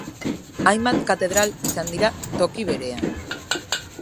Hainbat katedral izan dira toki berean.